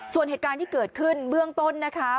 ส่วนเหตุการณ์ที่เกิดขึ้นเบื้องต้นนะคะ